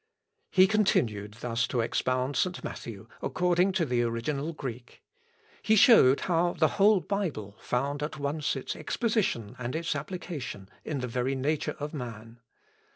] He continued thus to expound St. Matthew, according to the original Greek. He showed how the whole Bible found at once its exposition and its application in the very nature of man.